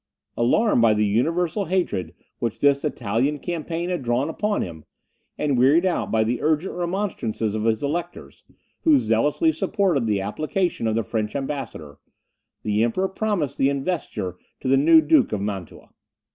Alarmed by the universal hatred which this Italian campaign had drawn upon him, and wearied out by the urgent remonstrances of the Electors, who zealously supported the application of the French ambassador, the Emperor promised the investiture to the new Duke of Mantua.